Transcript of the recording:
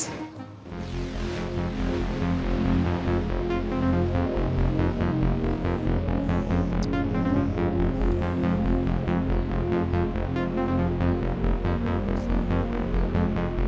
tidak ada yang bisa diangkat